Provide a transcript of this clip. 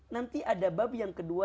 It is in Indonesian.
nanti ada babi yang kedua